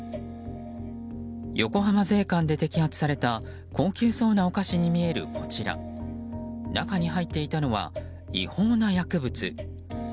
横浜税関で摘発された高級そうなお菓子に見えるこちら中に入っていたのは違法な薬物。